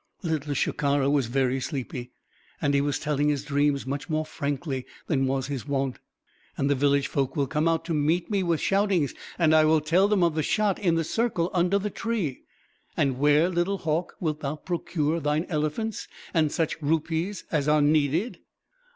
Little Shikara was very sleepy, and he was telling his dreams much more frankly than was his wont. "And the village folk will come out to meet me with shoutings, and I will tell them of the shot in the circle under the tree." "And where, little hawk, wilt thou procure thine elephants, and such rupees as are needed?"